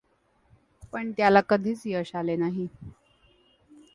पण त्याला कधीच यश आले नाही.